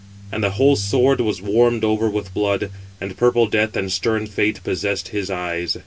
And the whole sword was warmed over with blood, and purple 520 death and stern fate possessed his eyes.